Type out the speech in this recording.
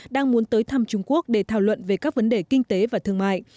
đang muốn tới thăm trung quốc để thảo luận về các vấn đề kinh tế và thương mại